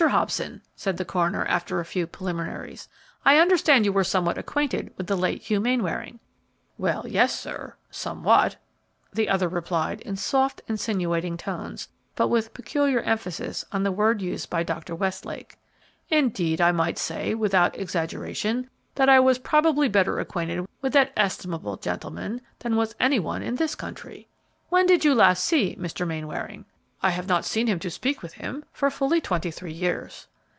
Hobson," said the coroner, after a few preliminaries, "I understand you were somewhat acquainted with the late Hugh Mainwaring." "Well, yes, sir, somewhat," the other replied in soft, insinuating tones, but with peculiar emphasis on the word used by Dr. Westlake. "Indeed, I might say, without exaggeration, that I was probably better acquainted with that estimable gentleman than was any one in this country." "When did you last see Mr. Mainwaring?" "I have not seen him to speak with him for fully twenty three years."